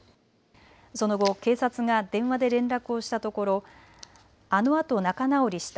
その後、警察が電話で連絡をしたところ、あのあと仲直りした。